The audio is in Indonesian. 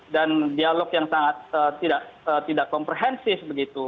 dan dialog yang sangat tidak komprehensif